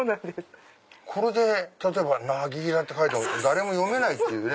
これで「なぎら」って書いても誰も読めないっていうね。